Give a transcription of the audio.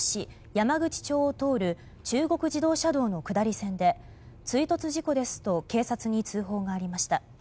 山口町を通る中国自動車道の下り線で追突事故ですと警察に通報がありました。